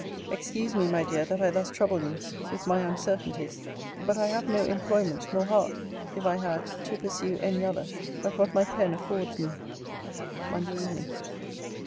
Excuse me, my dear, that I thus trouble you with my uncertainties: but I have no employment, nor heart, if I had, to pursue any other but what my pen affords me. MONDAY EVENING.